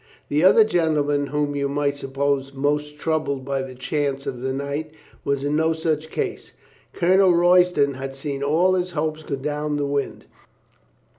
The other gentleman whom you might suppose most troubled by the chance of the night was in no such case. Colonel Royston had seen all his hopes go down the wind.